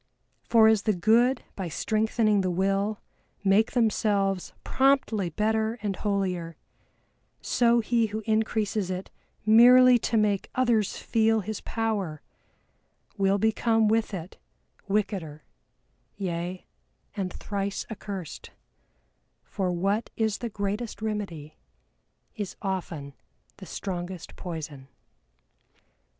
For as the good by strengthening the Will make themselves promptly better and holier, so he who increases it merely to make others feel his power will become with it wickeder, yea, and thrice accursed, for what is the greatest remedy is often the strongest poison.